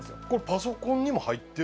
パソコンにも入ってるの？